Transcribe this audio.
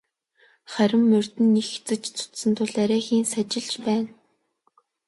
Харин морьд нь их эцэж цуцсан тул арайхийн сажилж байна.